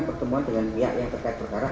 pertemuan dengan pihak yang terkait perkara